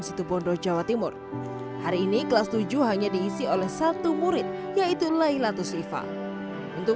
situ bondo jawa timur hari ini kelas tujuh hanya diisi oleh satu murid yaitu lailatus ifa untuk